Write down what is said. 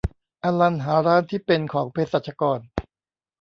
อัลลันหาร้านที่เป็นของเภสัชกร